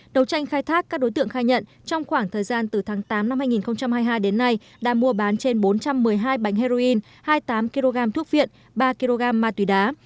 đầu tranh khai thác các đối tượng khai nhận trong khoảng thời gian từ tháng tám năm hai nghìn hai mươi hai đến nay đã mua bán trên bốn trăm một mươi hai bánh heroin hai mươi tám kg thuốc viện ba kg ma túy đá